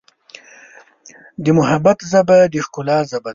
د محبت ژبه د ښکلا ژبه ده.